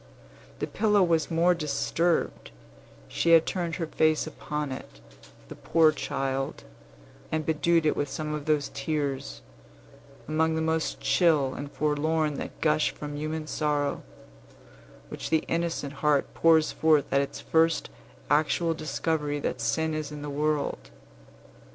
The pillow was more disturbed; she had turned her face upon it, the poor child, and bedewed it with some of those tears (among the most chill and forlorn that gush from human sorrow) which the innocent heart pours forth at its first actual discovery that sin is in the world.